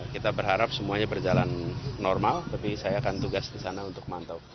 kita berharap semuanya berjalan normal tapi saya akan tugas di sana untuk mantau